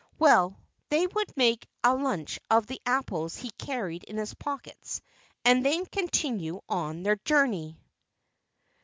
Well, they would make a lunch of the apples he carried in his pockets and then continue on their journey.